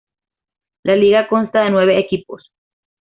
La liga consta de nueve equipos.